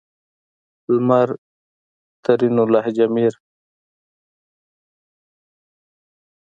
لمر؛ ترينو لهجه مير